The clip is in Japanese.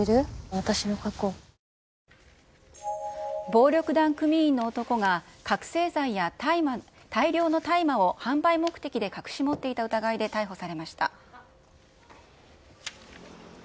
暴力団組員の男が、覚醒剤や大量の大麻を販売目的で隠し持っていた疑いで逮捕されました。